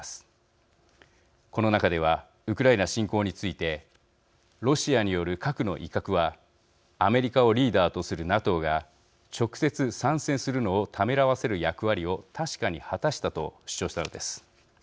この中ではウクライナ侵攻についてロシアによる核の威嚇はアメリカをリーダーとするＮＡＴＯが直接参戦するのをためらわせる役割を確かに果たしたと主張したのです。